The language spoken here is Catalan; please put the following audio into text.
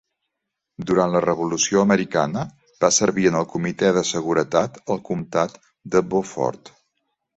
Durant la Revolució Americana, va servir en el comitè de seguretat al comtat de Beaufort.